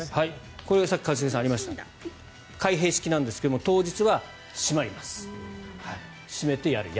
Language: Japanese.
これがさっき一茂さんからありました開閉式なんですが当日は閉めます。